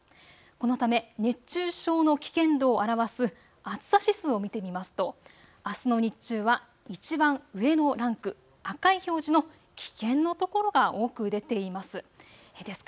このため熱中症の危険度を表す暑さ指数を見てみますとあすの日中はいちばん上のランク、赤い表示の危険の所が多く出ています。